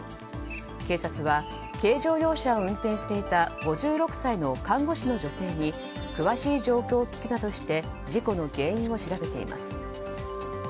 警察は軽乗用車を運転していた５６歳の看護師の女性に詳しい状況を聞くなどして事故の原因を調べています。